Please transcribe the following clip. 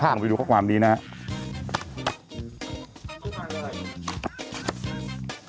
เอาลงไปดูข้อความดีนะฮะ